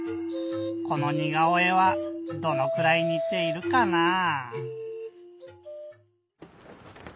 このにがおえはどのくらいにているかなぁ？